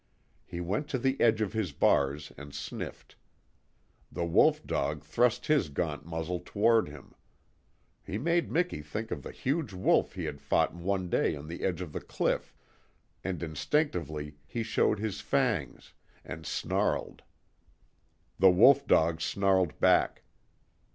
He went to the edge of his bars and sniffed. The wolf dog thrust his gaunt muzzle toward him. He made Miki think of the huge wolf he had fought one day on the edge of the cliff, and instinctively he showed his fangs, and snarled. The wolf dog snarled back.